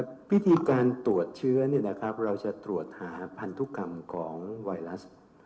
ครับเอ่อวิธีการตรวจเชื้อนี่นะครับเราจะตรวจหาพันธุกรรมของไวรัส